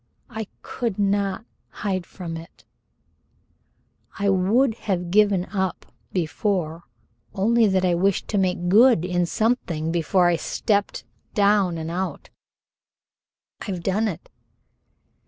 I could not hide from it. And I would have given up before only that I wished to make good in something before I stepped down and out. I've done it."